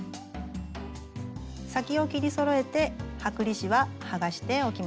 先を切りそろえて剥離紙は剥がしておきましょう。